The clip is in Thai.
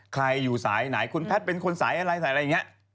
ใครอยู่สายไหนคุณแพทย์เป็นคนสายอะไรสายอะไรอย่างนี้